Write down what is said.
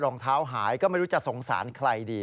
รองเท้าหายก็ไม่รู้จะสงสารใครดี